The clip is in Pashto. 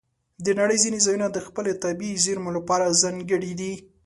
د نړۍ ځینې ځایونه د خپلو طبیعي زیرمو لپاره ځانګړي دي.